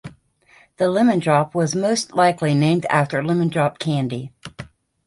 The Lemon Drop was most likely named after lemon drop candy.